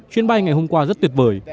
chuyến bay ngày hôm qua rất tuyệt vời